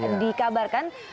dan kemudian dikabarkan